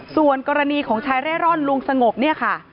ส่วนกรณีของชายเร่ร่อนลุงสงบเนี่ยค่ะ